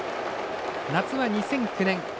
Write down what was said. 夏は２００９年